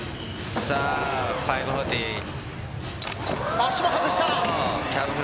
足も外した。